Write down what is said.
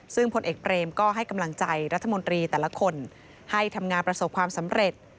ซึ่งพลเอกเบรมก็ให้กำลังใจรัฐมนตรีแต่ละคนให้ทำงานประสบความสำเร็จ